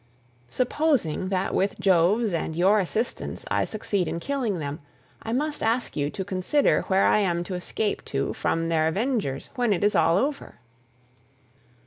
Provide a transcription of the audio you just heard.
Supposing that with Jove's and your assistance I succeed in killing them, I must ask you to consider where I am to escape to from their avengers when it is all over."